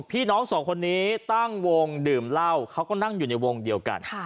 พี่น้องสองคนนี้ตั้งวงดื่มเหล้าเขาก็นั่งอยู่ในวงเดียวกัน